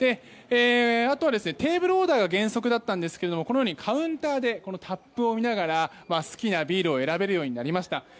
あとはテーブルオーダーが原則だったんですけどこのようにカウンターでタップを見ながら好きなビールを選べるようになりました。